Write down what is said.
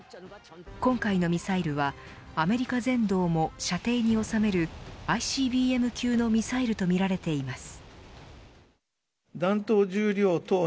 今回のミサイルはアメリカ全土をも射程に収めるＩＣＢＭ級のミサイルとみられています。